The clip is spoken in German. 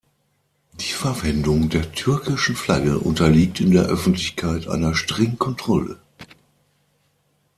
Die Verwendung der türkischen Flagge unterliegt in der Öffentlichkeit einer strengen Kontrolle.